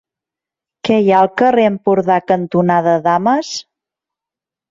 Què hi ha al carrer Empordà cantonada Dames?